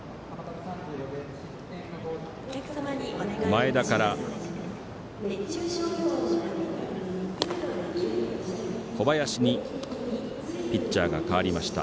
前田から小林にピッチャーが代わりました。